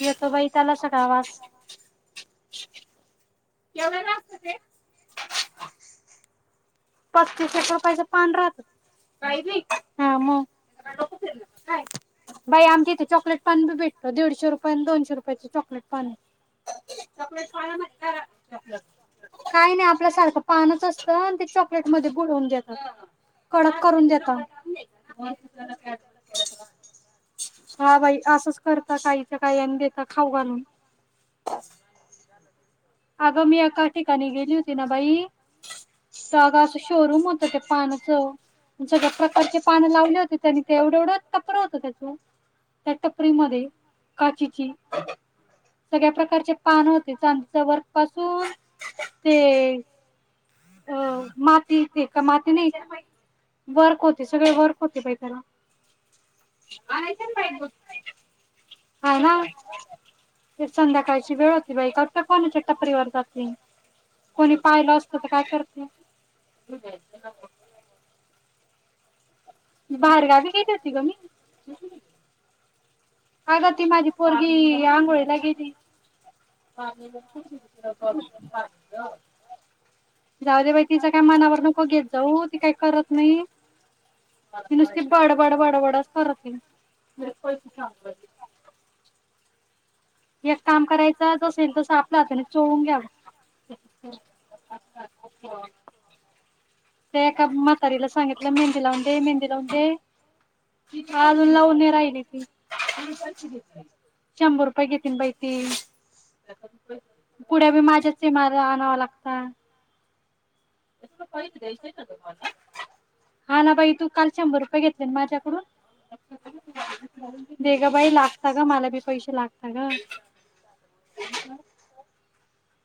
येतो बाई त्याला स ग वास केव्हा लागतं ते पतीस रच पान राहत मग बाई आमच्या इथे चॉकलेट पानी भेटतो दीडशे रुपया आणि दोनशे रुपयाच चॉकलेट पान च काय नाही आपल्या सारखं पानच असतं ते मध्ये बुडवून देत कडक करून देत हा बाई असंच करत काहीच्या कायनी देत खाऊना अगं मी एका ठिकाणी गेली होती ना बाई तर अग शोरूम होत ते पानचं सगळ्या प्रकारचे पान लावले होते त्यानी ते एवढं एवढं टपर होत त्याच त्या टपरीमध्ये काचीची सगळ्या प्रकारचे पान होते चां वर कस ते अ मी नाही वक होते सगळे वक होते बा त्याला संध्याकाळची वेळ होती बा टपरीवर जाती, कोणी पाहिलं असत तर काय करती? [unintelligible] बाहेरगावी गेले होती ग मी अग ती माझी पोरगी आंघोळीला गेली. [inaudible] जाऊ दे बाई तिच काय मनावर नको घेत जाऊ ती काही करत नाही त नुसती बडबड डच करती ह [unintelligible] एक काम करायच जस असेल तस आपल्या हाताने चोळून घ्याव च्छा ते एका म्हातारीला सांगितलं मेहंदी लावून दे मेहंदी लावून दे अजून लावून राहिली ती किती पैसे घेतले? शंभर रुपये घेेतीना बाई ती पुड्या बी माझ्याच मला आणावा लागता, इतक पैस [unintelligible] हा ना, बाई तू काल शंभर रुपये घेतले ना माझ्याकडून दे ग बाई लागता ग मला बी पैसे लागता ग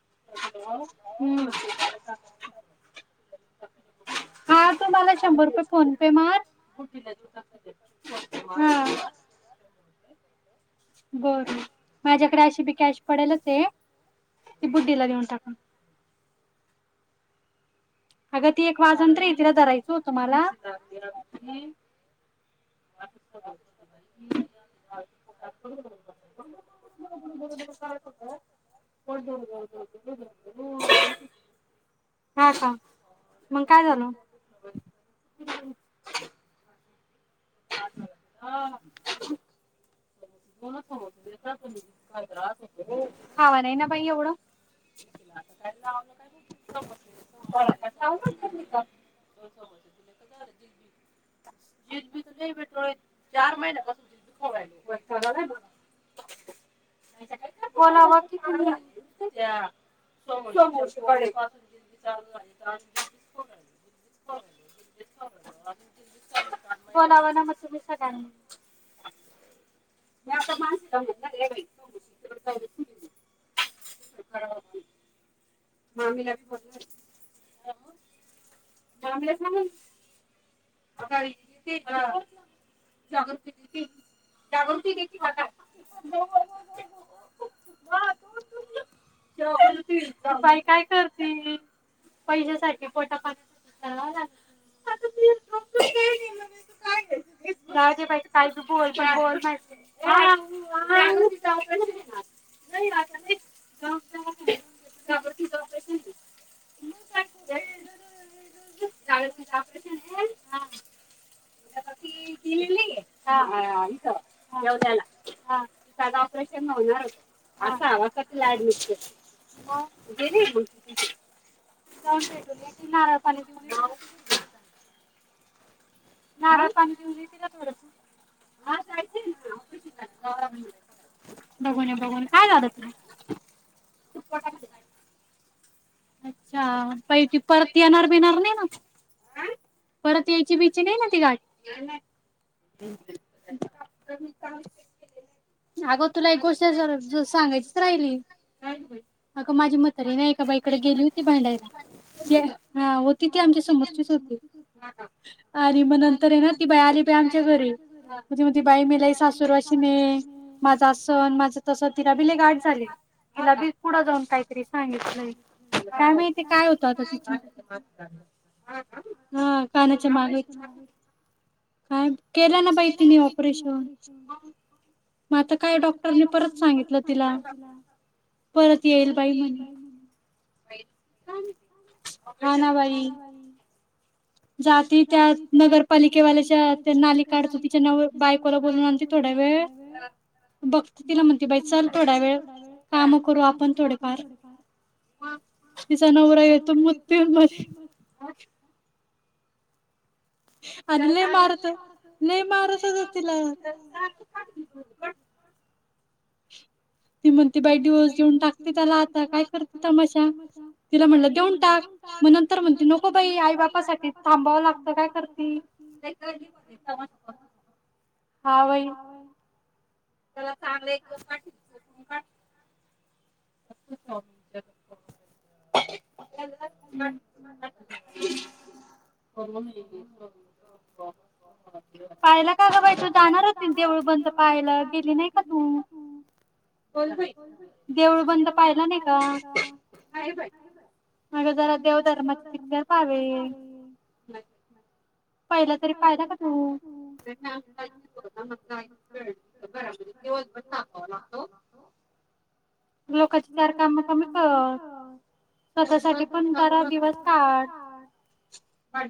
[unintelligible] [inaudible] हा तू मला शंभर रुपये फोन पे मार [unintelligible] ह बरं माझ्याकडं अशी बी कॅश पडेलच ये गुड्डी ला देऊन टाका अगं ती एक वाजंत्रीय रायच तीला धरायच होत मला [unintelligible] [unintelligible] [inaudible] हा का मग काय झालं? इतका त्रास झाला तिला [unintelligible] इतका त्रास होतो खावा नाही ना बाई एवढ आता काय लावलं काय? [unintelligible] दोन समोसे दिले का झाल का जिलबी [unintelligible] टोळीत चार महिन्यांपासून तिथल खाऊ राहीलो वैताग आलाय मला, नाहीतर काय आहेत किती बोलावं कि तुम्ही सोमोवती पासून जिलबी चालू झाली च [unintelligible] [inaudible] बोलावं ना मग तुम्ही सगळ्यांनी मी आता मानसीला म्हणारये बाई [unintelligible] मामीलाी बी बोलणार ये [unintelligible] थांबलेत म्हणून [unintelligible] [unintelligible] बाई काय करतील? पैसाठी पोटापाण्यासाठी करायला लागल आता मी ड्राप बीप काही घेणार काय घ्याच घे बाई बोल [unintelligible] [unintelligible] [inaudible] आता ती गेलीय हा इथं येवल्याला काल ऑपरेशन होणार होत अता सहा वाजताच त ॲडमीट म गेली होती जाऊन भेटून ये तिला नारळ पाणी देऊन ये नारळ पाणी देऊन ये तिला थोडस बघून बघून काय झालं तुला अच्छा प ती परत येणार बिणार नाही ना परत यायची बियची नाही ना ती गाट अगं तुला एक गोष्ट सांगायचीच राहिली अगं माझी मतारी नाही का बा इकडे गेली होती बांडयला हा होती ती आमच्या समजतीच होती आणि मग नंतर आहे ना ती बाई आली बा आमच्या घरी म्हण मग ती बाई मला सासूर वाशीिने माझा आसन माझं तस तिला बि ले गाठ झाली तिला बी पुढं जाऊन काहीतरी सांगितलं काय माहिती काय होत आता ति हा कानाच्या माग हो काय केलं ना बाई तिने ऑपरेशन मग आता काय डॉक्टरनी परत सांगितलं तिला परत येईल बाई म्हण. राणाबाई. जाती बा बा थोडा वळ व बघा ोडा व काम करम करू आपण थोडफार तझ नवराग य तु म म. अ- ते मग त ब येऊन लागली त्याला तला म्हट देऊन येऊन नंतर म्हण आई बागबा हवय हवय त्याला चांगलं एकोनठी बर पायला का ग बाई तू जाणारच तेवढ बंद पाहाला नाही नाही बंद पाहिला नाही का जरा देवधर्माचे पिक्चर पावे पहिलं तरी पा त लोकांची चार काम कमी कर स्वतःसाठी पण बरा दिवस काठ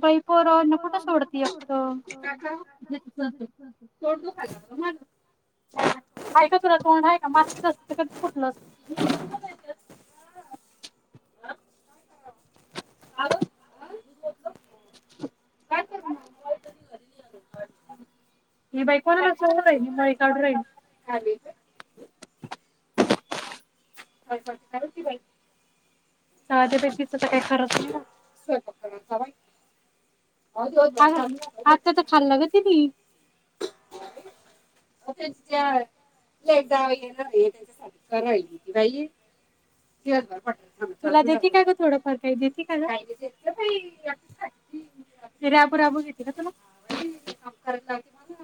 बा हाय का तुला तोंड आहे का [unintelligible] क फुटनस [unintelligible] [unintelligible] चालेल [unintelligible] का आ खाल् लागते तुला द का ग थोडफार का का राब राब का तु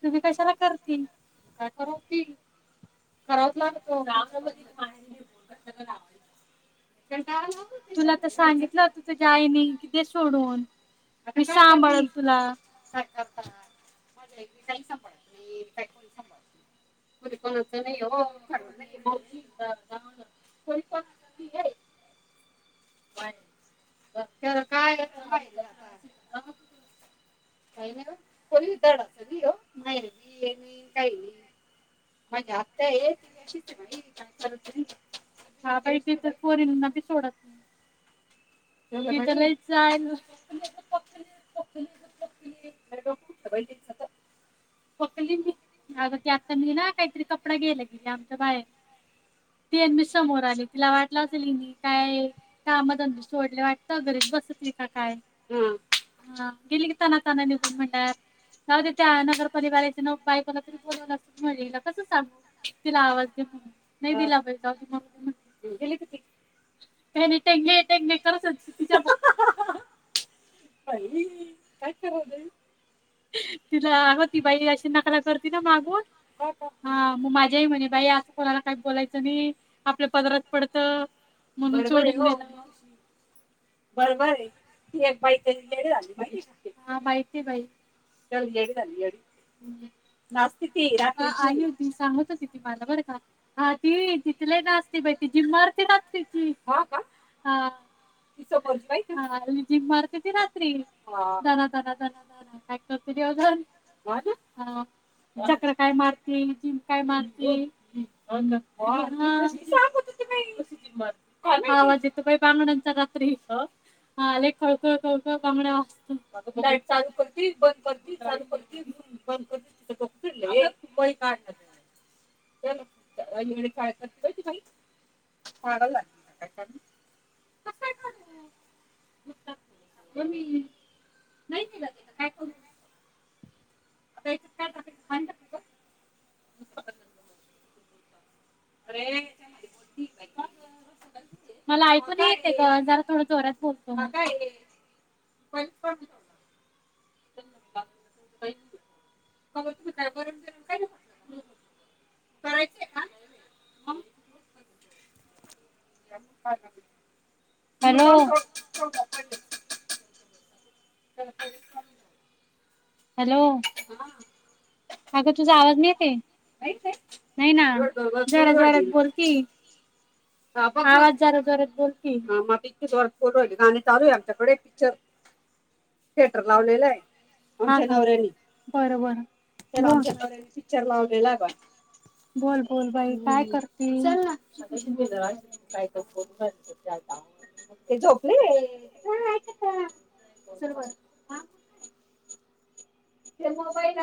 तुही कशाला कर [unintelligible] तुला तर सांगितलं होत, तू जाईनी कि सोडून सांभाळल तुला मी का सांभाळ काणीळ. कोणी कोणाच नाही ओ. ब [unintelligible] काय [unintelligible] [inaudible] [unintelligible] [unintelligible] [unintelligible] जाताना निघू म्हणलात, जाऊ दे त्या नगर परिवाराच्या बायकोला तरी बोलावलं असत ला, कस सांगू तिला? आवाज दे म्हणून. नाही दिला बाई, जाऊ मरु दे म्हनल. गेली कि ती. टंगे, टंगे, करत होती. तिला अगं ती बाई अशी नक करती ना मागून ह मग माझ्याही म्हणे बाई असं कोणाला काही बोलायचं नाही आपल्या पदरात पडतं बरोबर आहे हो म्हणून सोड. बरोबरे ती एक बाई तरी येडे झाली माहितीये का? हा माहितीये बाई ती येडी झाली येडी नाचती ती हा आली होती सांगत होती बर का हा ती ती तर लय नाचती बाई रात्रीची हा का? हा ती समोरची बाई! ना जिम मारती ती रात्री हा दना दना दना दना दना काय करते देव जाणे. हा ना हा चक्रा काय मारती, जिम काय मारती, हो ना किती आवाज येतो बाई! हा ना नुसती जिम मारते किती आवाज येतो. त बाई बांगड्यांचा रात्री हा लय खळखळ खळखळ बांगड्या वाजत्या लाईट चालू करती बंद करती चालू करती तिचा डोका फिरलाय [unintelligible] काय येडी झाली काय काम होती. बाई येड्याचा काय करती पागल झाली काय कानु कसं काय करती [unintelligible] नाही दिला मी काय करू आता याच्यात काय पाणी टाकायचा का? अरे [unintelligible] मला ऐकू नाही येते ग जरा थोडं जोरात बोलतोय. मी हा काय हे [unintelligible] करायचंय का? [unintelligible] [unintelligible] हॅलो [unintelligible] हॅलो अग तुझा आवाज नाही येते नाही, येते नाही ना जोरा जोरात बोल की हा बघ आवाज जरा जोरात बोल की हा मग इतका जोरात बोलू राहिले गाणे चालू आहे आमच्याकडे पिक्चर थेटर लावलेला आहे. माझ्या नवऱ्यानी. बर, बर. माझ्या नवऱ्यानी पिक्चर लावलेला [unintelligible] बोल, बोल बाई. काय करती? चल न [unintelligible] [inaudible] [unintelligible]